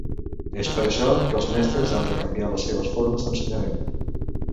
És per això que els mestres han de canviar les seves formes d'ensenyament.